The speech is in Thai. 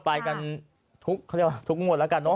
ไปกันทุกเขาเรียกว่าทุกงวดแล้วกันเนอ